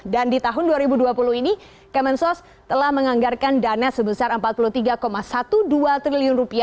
dan di tahun dua ribu dua puluh ini kemensos telah menganggarkan dana sebesar rp empat puluh tiga dua belas triliun